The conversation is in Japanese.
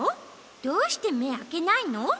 どうしてめあけないの？